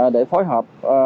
để phối hợp